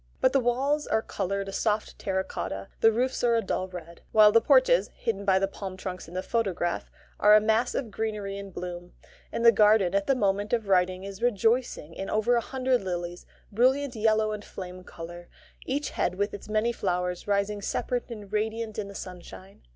But the walls are coloured a soft terra cotta, the roofs are a dull red; while the porches (hidden by the palm trunks in the photograph) are a mass of greenery and bloom; and the garden at the moment of writing is rejoicing in over a hundred lilies, brilliant yellow and flame colour, each head with its many flowers rising separate and radiant in the sunshine.